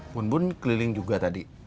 bun bun keliling juga tadi